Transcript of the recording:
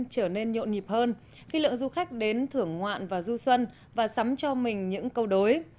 trở nên nhộn nhịp hơn khi lượng du khách đến thưởng ngoạn và du xuân và sắm cho mình những câu đối